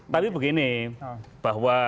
tapi begini bahwa